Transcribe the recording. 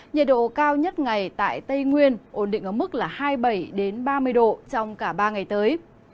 nhiệt độ cao nhất ngày tại tây nguyên ổn định ở mức hai mươi bảy ba mươi độ trong cả ba ngày tới